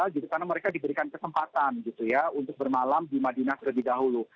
karena mereka diberikan kesempatan untuk bermalam di madinah terlebih dahulu